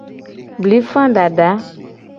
Blifa dada.